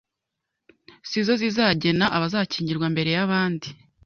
si zo zizagena abazakingirwa mbere y'abandi.